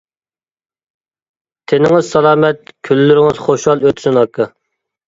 تېنىڭىز سالامەت، كۈنلىرىڭىز خۇشال ئۆتسۇن، ئاكا.